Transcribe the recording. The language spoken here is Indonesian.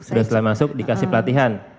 sudah setelah masuk dikasih pelatihan